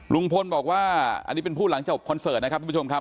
ลุงพลบอกว่าอันนี้เป็นพูดหลังจบคอนเสิร์ตนะครับทุกผู้ชมครับ